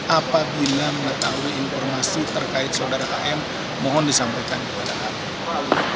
apabila mengetahui informasi terkait saudara am mohon disampaikan kepada kami